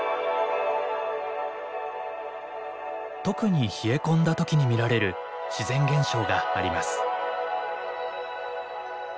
特に冷え込んだ時に見られる自然現象があります。